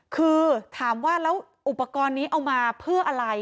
คือถามว่าแล้วอุปกรณ์นี้เอามาเพื่ออะไร